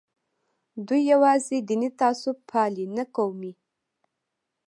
دوی یوازې دیني تعصب پالي نه قومي.